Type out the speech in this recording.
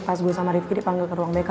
pas gul sama rifki dipanggil ke ruang bk